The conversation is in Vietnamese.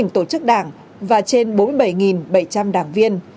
tổ chức đảng và trên bốn mươi bảy bảy trăm linh đảng viên